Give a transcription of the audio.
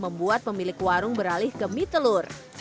membuat pemilik warung beralih ke mie telur